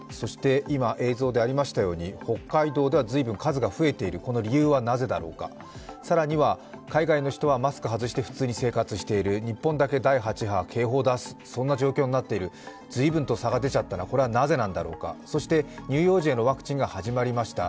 今映像でありましたように、北海道では数が随分増えている、この理由はなぜだろうか、更には海外の人はマスクを外して普通に生活している、日本だけ第８波、警報を出す、そんな状況になっている、ずいぶんと差が出ちゃった、これはなぜなんだろうか、そして乳幼児へのワクチンが始まりました。